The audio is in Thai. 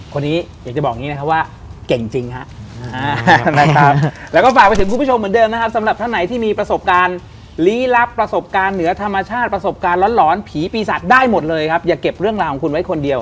คนนี้อยากจะบอกอย่างนี้นะครับว่าเก่งจริงฮะนะครับแล้วก็ฝากไปถึงคุณผู้ชมเหมือนเดิมนะครับสำหรับท่านไหนที่มีประสบการณ์ลี้ลับประสบการณ์เหนือธรรมชาติประสบการณ์หลอนผีปีศาจได้หมดเลยครับอย่าเก็บเรื่องราวของคุณไว้คนเดียว